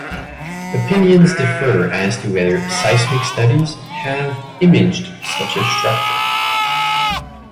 Opinions differ as to whether seismic studies have imaged such a structure.